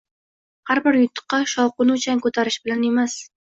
Har bir yutuqqa shovqin-u chang ko‘tarish bilan emas